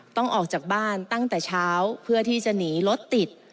ออกจากบ้านตั้งแต่เช้าเพื่อที่จะหนีรถติด